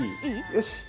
よし！